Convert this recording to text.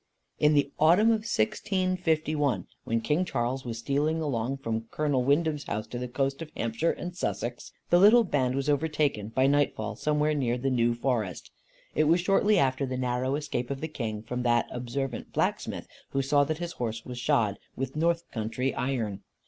In the autumn of 1651, when King Charles was stealing along from Colonel Wyndham's house to the coast of Hampshire and Sussex, the little band was overtaken by nightfall, somewhere near the New Forest. It was shortly after the narrow escape of the King from that observant blacksmith, who saw that his horse was shod with North country iron.